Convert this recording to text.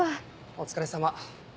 お疲れさま。